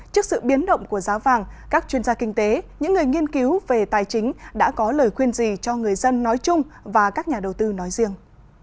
trước sự biến động của giá vàng các chuyên gia kinh tế những người nghiên cứu về tài chính đã có lời khuyên gì cho người dân nói chung và các nhà đầu tư nói riêng